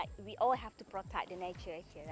kita semua harus melindungi alam semesta